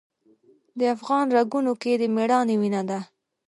د افغان رګونو کې د میړانې وینه ده.